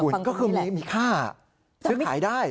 อุ่นก็คือมีค่าเชื่อขายได้